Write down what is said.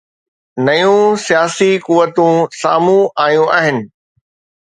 نيون سياسي قوتون سامهون آيون آهن.